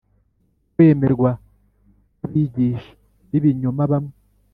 kwemerwa kw'abigisha b'ibinyoma bamwe.